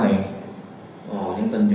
tuy nhiên hoàn toàn nha